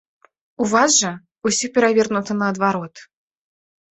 У вас жа ўсё перавернута наадварот.